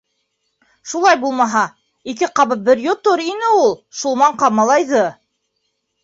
Шулай булмаһа, ике ҡабып бер йотор ине ул шул маңҡа малайҙы!